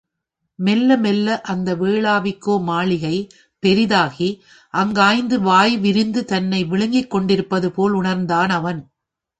மெல்ல மெல்ல அந்த வேளாவிக்கோ மாளிகை பெரிதாகி அங்காய்த்து வாய் விரித்துத் தன்னை விழுங்கிக்கொண்டிருப்பது போல் உணர்ந்தான் அவன்.